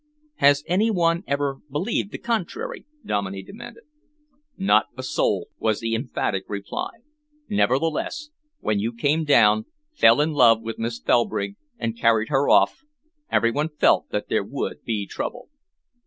"Has any one ever believed the contrary?" Dominey demanded. "Not a soul," was the emphatic reply. "Nevertheless, when you came down, fell in love with Miss Felbrigg and carried her off, every one felt that there would be trouble."